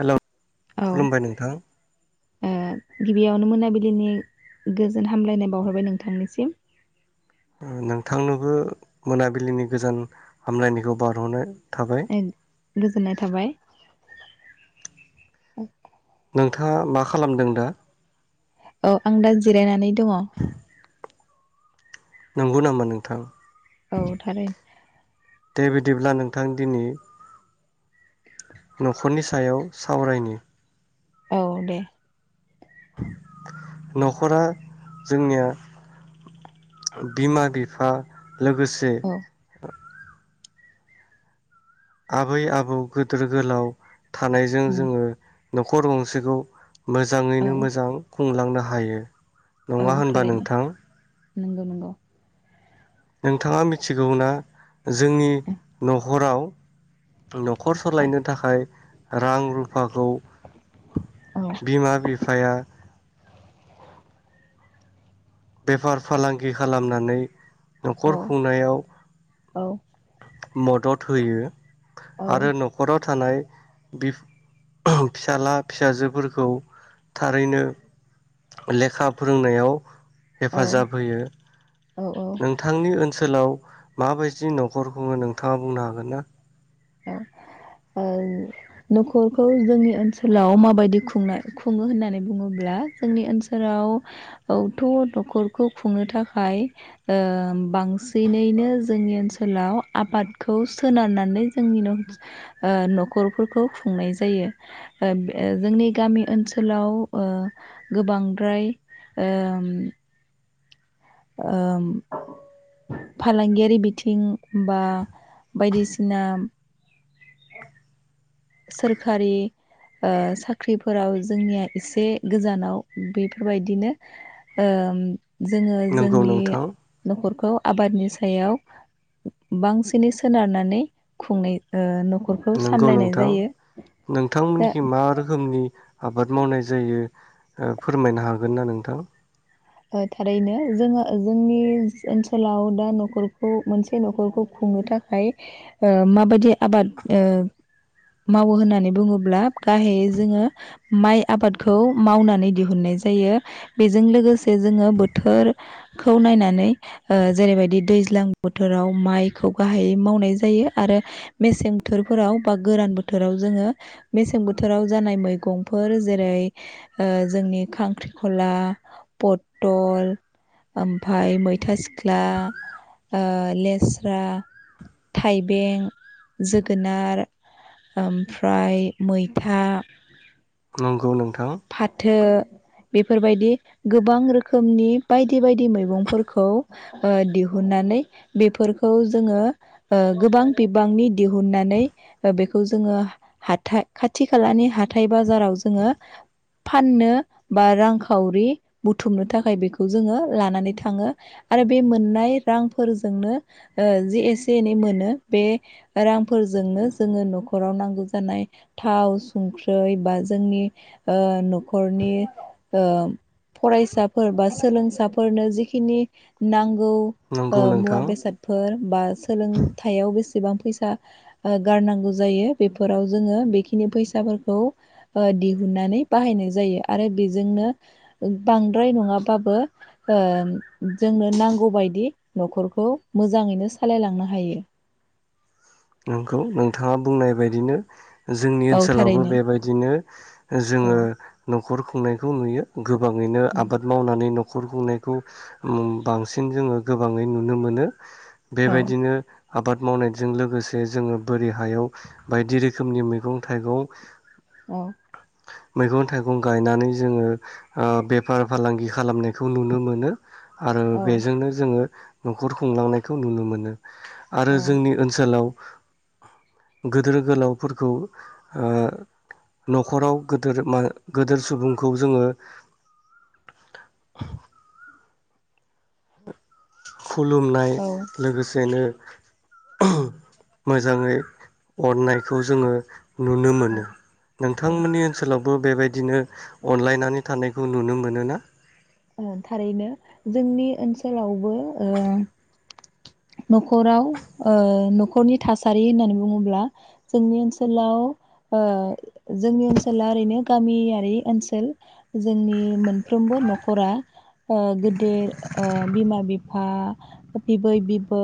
Hello औ खुलुमबाय नोंथां ओ गिबियावनो मोनाबिलिनि गोजोन हामलायनाय बाउहरबाय नोंथांनिसिम, नोंथांनोबो मोनाबिलिनि गोजान हामलायनायखौ बाउहरनो थाबाय गोजोननाय थाबाय नोंथाङा मा खालामदों दा? औ आं दा जिरायनानै, दङ नंगौ नामा नोंथां? औ थारै दे बिदिब्ला नोंथां दिनै न'खरनि सायाव सावरायनि औ दे न'खरा जोंनिया बिमा बिफा, लोगोसे औ आबै आबौ गिदोर गोलाव थानायजों उम जोङो, न'खर गंसेखौ औ मोजाङैनो मोजां, खुंलांनो हायो, औ नङा होनबा थारैनो नोंथां, नंगौ नंगौ। नोंथाङा मिथिगौना? जोंनि न'खराव न'खर औ सालायनो थाखाय रां रुफाखौ औ बिमा बिफा आफाया बेफार फालांगि खालामनानै न'खर औ खुंनायाव औ मदद होयो। औ आरो नखर थानाय फिसाला फिसाजोफोरखौ थारैनो लेखा फोरोंनायाव हेफाजाब औ होयो औ नोंथांनि ओनसोलाव माबायदि न'खरखौनो नोंथाङा बुंनो हागोन ना? ओ न'खरखौ जोंनि ओनसोलाव माबायदि खुंनाय खुङो होननानै बुङोब्ला जोंनि ओनसोलावथ' न'खरखौ खुंनो थाखाय बांसिनैनो जोंनि ओनसोलाव आबादखौ सोनारनानै जोंनि न'खरफोरखौ खुंनाय जायो जोंनि गामि ओनसोलाव ओ गोबांद्राय ओ ओ फालांगियारि बिथिं बा बायदिसिना सोरखारि ओ साख्रिफोराव जोंनिया एसे गोजानाव बेफोरबायदिनो ओ जोङो नंगौ जोंनि नोंथां न'खरखौ आबादनि सायाव बांसिनै सोनारनानै खुंनाय नखरखौ नंगौ सामलायनाय नोंथां जायो दा नोंथांमोननिखि मा रोखोमनि आबाद मावनाय जायो। फोरमायनो हागोन ना नोंथां? थारैनो जोङो जोंनि ओनसोलाव दा न'खरखौ मोनसे न'खरखौ खुंनो थाखाय ओ माबायदि आबाद मावो होननानै बुङोब्ला गाहायै जोङो माइ आबादखौ मावनानै दिहुननाय जायो बेजों लोगोसे जोङो बोथोरखौ नायनानै जेरैबायदि दैज्लां बोथोराव माइखौ गाहायै मावनाय जायो आरो मेसें बोथोरफोराव बा गोरान बोथोराव जोङो मेसें बोथोराव जानाय मैगंफोर जेरै जोंनि खांख्रिखला पटल ओमफाय मैथा सिख्ला ओ लेस्रा थाइबें जोगोनार ओमफ्राय मैथा नंगौ नों फाथो बेफोरबायदि गोबां रोखोमनि बायदि बायदि मैगंफोरखौ ओदिहुननानै बेफोरखौ जोङो ओ गोबां बिबांनि दिहुननानै बेखौ जोङो हाथाइ खाथि खालानि हाथाइ बाजाराव जोङो फाननो बा रांखावरि बुथुमनो थाखाय बेखौ जोङो लानानै थाङो आरो बे मोननाय रांफोरजोंनो ओ जि एसे एनै मोनो बे रांफोरजोंनो जोङो न'खराव नांगौ जानाय थाव संख्रै बा जोंनि ओ न'खरनि ओ फरायसाफोर बा सोलोंसाफोरनो जिखिनि नांगौ नंगौ मुवा नोंथां बेसादफोर बा सोलोंथायाव बेसेबां फैसा ओ गारनांगौ जायो बेफोराव जोङो बेखिनि फैसाफोरखौ दिहुन गोननानै बाहायनाय जायो आरो बेजोंनो बांद्राय नङाबाबो ओ जोंनो नांगौबायदि न'खरखौ मोजाङैनो सालायलांनो हायो। नंगौ नोंथाङा बुंनाय बायदिनो जोंनि औ ओनसोलावबो थारैनो बेबायदिनो औ जोङो न खर खुंनायखौ नुयो। गोबाङैनो आबाद मावनानै न' न'खर खुंनायखौ ओम बांसिन जोङो गोबाङै नुनो मोनो औ बेबायदिनो आबाद मावनायजों लोगोसे जे जोङो बोरै हायाव बायदि रोखोमनि मैगं थाइगं औ मैगं थाइगं गायनानै जोङो ओ बेफार फालांगि खालामनायखौ नुनो मोनो आरो औ बेजोंनो जोङो न'खर खुंलांनायखौ नुनो मोनो आरो जोंनि ओनसोलाव गदोर गोलावफोरखौ ओ न'खराव गोदोर मा गोदोर सुबुंखौ जोङो [inaudible] खुलुमनाय औ लोगोसेनो मोजाङै अननायखौ जोङो नुनो मोनो औ नोंथांमोननि ओनसोलाव बो बेबायदिनो अनलायनानै थानायखौ नुनो मोनो ना? थारैनो जोंनि ओनसोलावबो ओ न'खराव ओ न'खरनि थासारि होननानै बुङोब्ला जोंनि ओनसोलाव ओ जोंनि ओनसोला ओरैनो गामियारि ओनसोल जोंनि मोनफ्रोमबो न' नखरा गोदेर बिमा बिफा बिबै बिबौ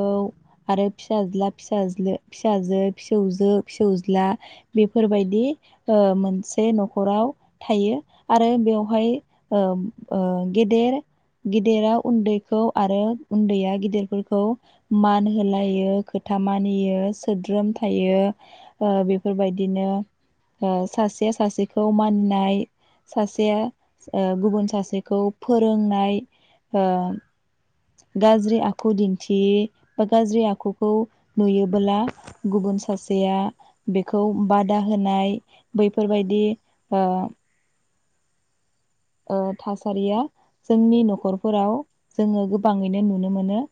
आरो फिसाज्ला फिसाज फिसाजो फिसौजो फिसौज्ला बेफोरबायदि मोनसे न'खराव थायो आरो बेवहाय ओ ओ गेदेर गेदेरा उन्दैखौ आरो उन्दैया गेदेरफोरखौ मान होलायो खोथा मानियो सोद्रोम थायो ओ बेफोरबायदिनो ओ सासेया सासेखौ मानिनाय सासेया ओ गुबुन सासे बेखौ फोरोंनाय ओ गाज्रि आखु दिन्थियै बा गाज्रि आखुखौ नुयोबोला गुबुन सासेया बेखौ बादा होनाय बैफोरबायदि ओ ओ थासारिया जोंनि न'खरफोराव जोङो गोबाङैनो नुनो मोनो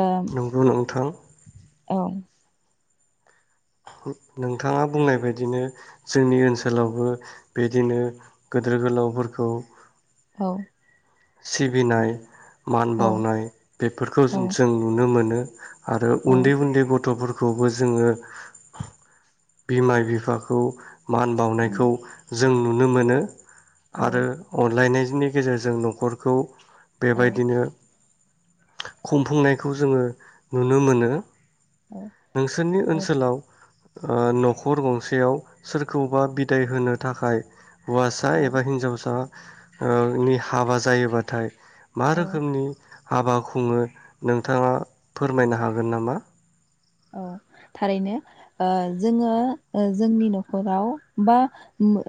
ओ नंगौ नोंथां औ नोंथाङा बुंनाय बायदिनो जोंनि ओनसोलावबो बिदिनो गोदोर गोलावफोरखौ औ सिबिनाय मान औ बावनाय बेफोरखौ औ जों नुनो मोनो [inaudible] आरो औ उन्दै उन्दै गथ'फोर खौबो जोङो बिमा बिफाखौ मान उम बावनायखौ जों जों नुनो मोनो। औ आरो अनलायनाय नि गेजेरजों न नखरखौ औ बेबायदिनो खुंफुंनायखौ जोङो नुनो मोनो। औ नोंसोरनि ओनसोलाव ओ नखर गंसेयाव सोरखौबा बिदाय होनो थाखाय हौवासा औ एबा हिन्जावसा ओ नि हाबा जायोबाथाय मा औ रोखोमनि हाबा खुङो नोंथाङा फोरमायनो हागोन नामा? औ थारैनो ओ जोङो जोंनि नखराव बा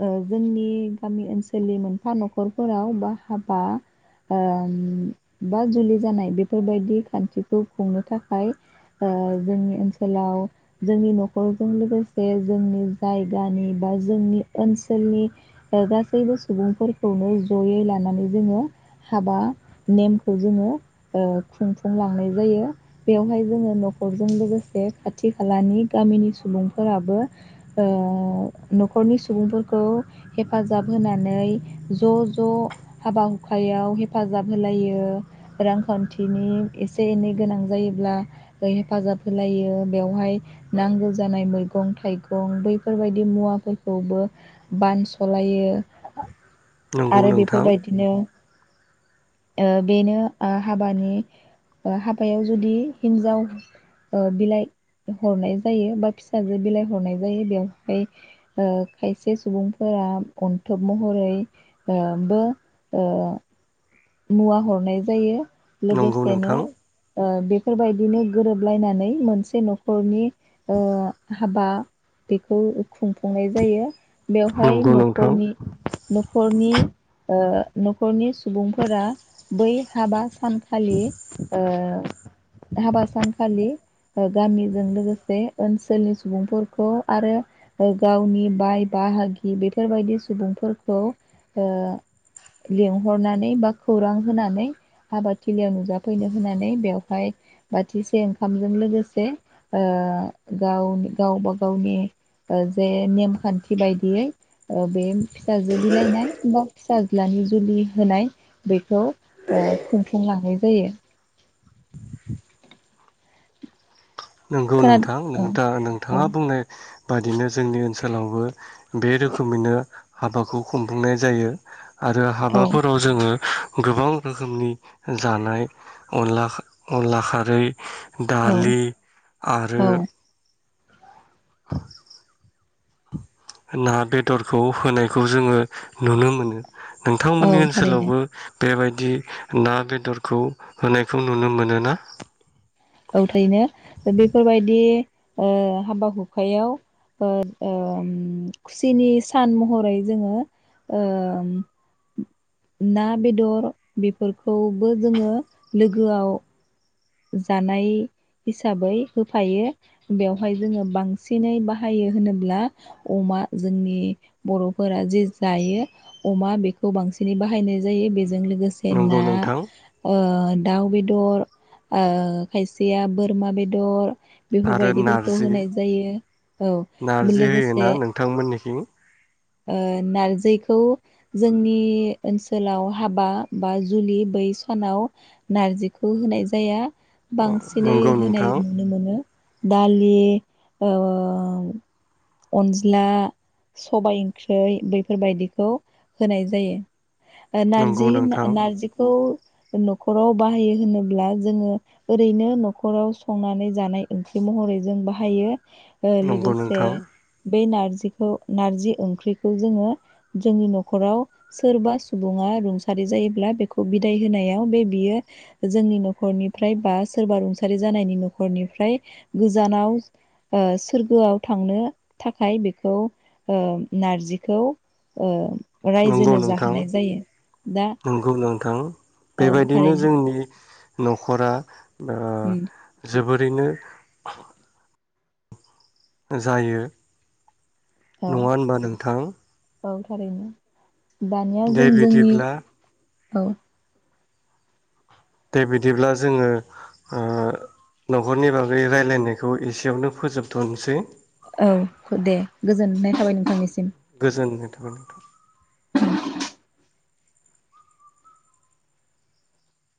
ओ जोंनि गामि ओनसोलनि मोनफा नखरफोराव बा हाबा ओ बा जुलि जानाय बेफोरबायदि खान्थिखौ खुंनो थाखाय ओ जोंनि ओनसोलाव जोंनि नखरजों लोगोसे जोंनि जायगानि बा जोंनि ओनसोलनि गासैबो सुबुंफोरखौनो जयै लानानै जोङो हाबा नेमखौ जोङो ओ खुंफुंलांनाय जायो बेवहाय जोङो नखर नखरजों लोगोसे खाथि खालानि गामिनि सुबुंफोराबो ओ नखरनि सुबुंफोरखौ हेफाजाब होनानै ज ज हाबा हुखायाव हेफाजाब होलायो रांखान्थिनि एसे एनै गोनां जायोब्ला हेफाजाब होलायो बेवहाय नांगौ जानाय मैगं थाइगं बैफोरबायदि मुवाफोरखौबो बानसलायो नंगौ आरो नोंथां बेफोरबायदिनो ओ बेनो हाबानि हाबायाव जुदि हिनजाव ओ बिलाइ हरनाय जायो बा फिसाजो बिलाइ हरनाय जायो बेवहाय ओ खायसे सुबुंफोरा अन्थोब महरैबो मुवा हरनाय जायो। नंगौ लोगोसेनो नोंथां ओ बेफोरबायदिनो गोरोबलायनानै मोनसे नखरनि ओ हाबा बेखौ खुंफुंनाय जायो। बेवहाय नंगौ नोंथां नखरनि नखर नखरनि सुबुंफोरा बै हाबा सानखालि ओ हाबा सानखालि गामिजों लोगोसे ओनसोलनि सुबुंफोरखौ आरो गावनि बाय बाहागि बेफोरबायदि सुबुंफोरखौ ओ लिंहरनानै बा खौरां होनानै आबादथिलियाव नुजाफैनो होननानै बेवहाय बाथिसे ओंखामजों लोगोसे ओ गाव गावबा गावनि जे नेमखान्थि बायदियै बे फिसाजो बिलायनाय बा फिसाज्लानि जुलि होनाय बेखौ खुंफुंलांनाय जायो। नंगौ खोना नोंथां औ नोंथां नोंथाङा बुंनाय बाददिनो जोंनि ओनसोल लावबो बे रोखोमैनो हाबाखौ खुंफुंनाय जायो। आरो औ औ हाबाफोराव जोङो गोबां रोखोमनि जानाय अनला अनला खारै औ दालि औ आरो ना बेदरखौ होनायखौ जोङो नुनो मोनो। औ नोंथांमोननि थारैनो ओनसोलावबो बेबायदि ना बेदरखौ होनायखौ नुनो मोनो ना औथायनो बेफोरबायदि ओ हाबा हुखायाव ओ ओम खुसिनि सान महरै जोङो ओ ना बेदर बेफोरखौबो जोङो लोगोआव जानाय हिसाबै होफायो बेवहाय जोङो बांसिनै बाहायो होनोब्ला अमा जोंनि बरफोरा जे जायो अमा बेखौ बांसिनै बाहायनाय जायो बेजों जों लोगोसे ना नंगौ नोंथां ओ दाउ बेदर ओ खायसेया बोरमा बेदर आरो बेफोरबायदिफोरखौ नारजि होनाय जायो औ लोगोसे थिं? ओ नारजिखौ जोंनि ओनसोलाव हाबा बा जुलि बै सानाव नारजिखौ होनाय जाया। अ बांसिनै नंगौ होनाय नोंथां नुनो मोनो दालि ओ अनज्ला सबाय ओंख्रै बेफोरबायदिखौ होनाय जायो । ओ नंगौ नारजि होनना नोंथां नारजिखौ न'खराव बाहायो होनोब्ला जोङो ओरैनो नखराव संनानै जानाय ओंख्रि महरै जों बाहायो। ओ नंगौ लोगोसे नोंथां बे नारजिखौ नारजि ओंख्रिखौ जोङो जोंनि न'खराव सोरबा सुबुङा रुंसारि जायोब्ला बेखौ बिदाय होनायाव बे बियो जोंनि न'खरनिफ्राय बा सोरबा रुंसारि जानायनि नखरनिफ्राय गोजानाव सोरगोआव थांनो थाखाय बेखौ ओ नारजिखौ ओ नंगौ रायजोनो नोंथां जाहोनाय जायो। दा नंगौ नोंथां औ बेबायदिनो थारैनो जोंनि न'खरा ओ उम जोबोद रैनो जायो औ । नङा होनबा नोंथां? औ थारैनो । दानिया दे जों जोंनि बिदिब्ला औ । दे बिदिब्ला जोङो ओ न'खरनि बागै रायलायनायखौ एसेयावनो फोजोबथनोसै औ दे गोजोननाय थाबाय नोंथांनिसिम गोजोननाय थाबाय नोंथां ।